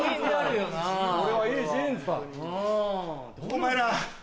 ・お前ら！